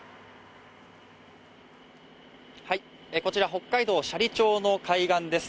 こちら北海道斜里町の海岸です。